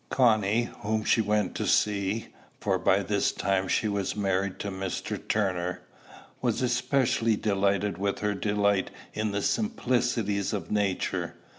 Connie, whom she went to see, for by this time she was married to Mr. Turner, was especially delighted with her delight in the simplicities of nature.